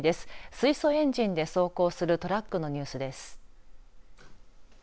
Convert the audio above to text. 水素エンジンで走行するトラックのニュースです。